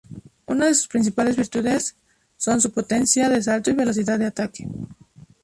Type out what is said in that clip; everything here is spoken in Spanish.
Una de sus principales virtudes son su potencia de salto y velocidad de ataque.